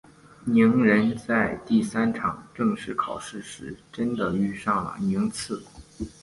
鸣人在第三场正式考试时真的遇上了宁次。